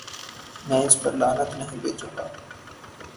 میں اس پر لعنت نہیں بھیجوں گا۔